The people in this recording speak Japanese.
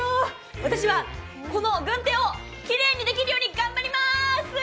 私はこの軍手をきれいにできるよう頑張りまーす！